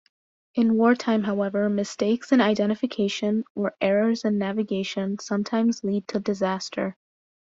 In wartime, however, mistakes in identification or errors in navigation sometimes lead to disaster.